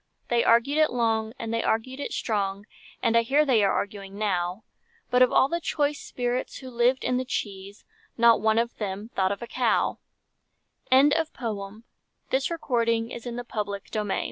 They argued it long and they argued it strong, And I hear they are arguing now; But of all the choice spirits who lived in the cheese, Not one of them thought of a cow, A TRAGEDY Who's that walking on the moorland? Who's